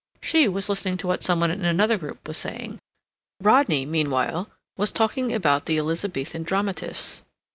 She was listening to what some one in another group was saying. Rodney, meanwhile, was talking about the Elizabethan dramatists.